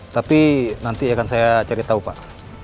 tapi nanti akan saya cari tahu pak